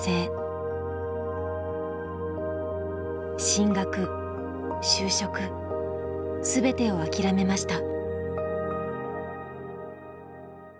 進学就職全てを諦めました。